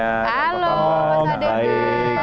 halo mas aderai